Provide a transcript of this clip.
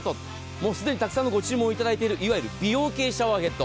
もうすでにたくさんのご注文を頂いているいわゆる美容系シャワーヘッド。